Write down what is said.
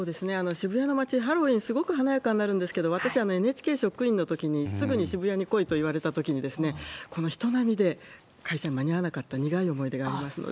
渋谷の街、ハロウィーン、すごく華やかになるんですけど、私はＮＨＫ職員のときに、すぐに渋谷に来いと言われたときに、人波で会社に行けなかった苦い思い出がありますので。